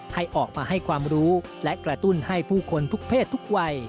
ให้ออกมาให้ความรู้และกระตุ้นให้ผู้คนทุกเพศทุกวัย